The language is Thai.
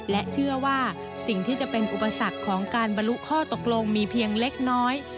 และเชื่อว่าสิ่งที่จะเป็นอุปสรรคของการบรรลุข้อตกลงมีเพียงเล็กน้อย